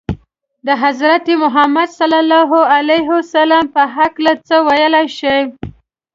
د حضرت محمد ﷺ په هکله څه ویلای شئ؟